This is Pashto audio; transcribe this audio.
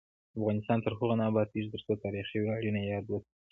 افغانستان تر هغو نه ابادیږي، ترڅو تاریخي ویاړونه یاد وساتل شي.